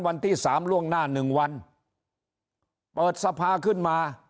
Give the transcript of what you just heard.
วันที่สามล่วงหน้าหนึ่งวันเปิดสภาขึ้นมา